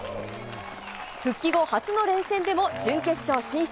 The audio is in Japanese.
復帰後初の連戦でも準決勝進出。